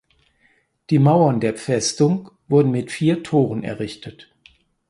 Die Mauern der Festung wurden mit vier Toren errichtet.